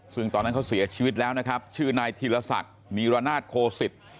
ซึ่งตอนนั้นเขาเสียชีวิตแล้วนะครับชื่อนายธีรศักดิ์วีรนาศโคสิต